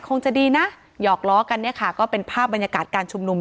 คงจะดีนะหยอกล้อกันเนี่ยค่ะก็เป็นภาพบรรยากาศการชุมนุม